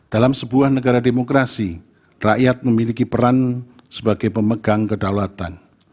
dalam sebuah negara demokrasi rakyat memiliki peran sebagai pemegang kedaulatan